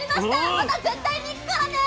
また絶対に行くからね！